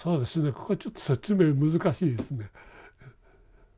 ここちょっと説明難しいですね。